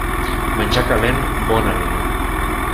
Menjar calent, bon aliment.